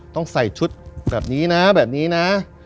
ต้องใส่ชุดแบบนี้นะแบบนี้นะ